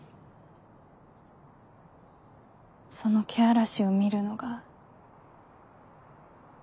そのけあらしを見るのが。